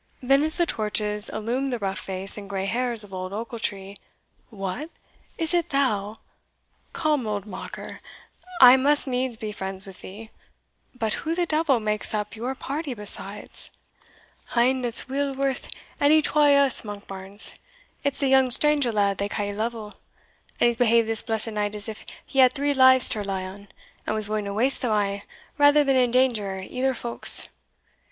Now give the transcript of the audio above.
Then as the torches illumed the rough face and grey hairs of old Ochiltree, "What! is it thou? Come, old Mocker, I must needs be friends with thee but who the devil makes up your party besides?" "Ane that's weel worth ony twa o' us, Monkbarns; it's the young stranger lad they ca' Lovel and he's behaved this blessed night as if he had three lives to rely on, and was willing to waste them a' rather than endanger ither folk's.